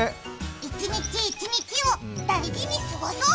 一日一日を大事にすごそう。